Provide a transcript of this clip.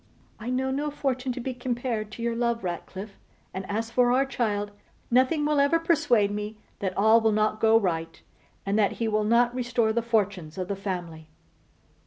'I know no fortune to be compared to your love, Ratcliffe; and as for our child, nothing will ever persuade me that all will not go right, and that he will not restore the fortunes of the family.